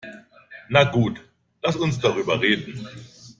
Na gut, lass uns drüber reden.